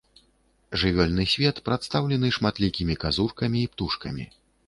Жывёльны свет прадстаўлены шматлікімі казуркамі і птушкамі.